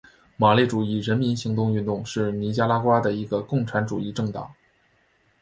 马列主义人民行动运动是尼加拉瓜的一个共产主义政党。